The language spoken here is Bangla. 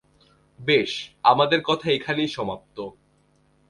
বেশ, আমাদের কথা এখানেই সমাপ্ত।